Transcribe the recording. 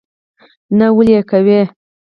نه ولي یې کوې?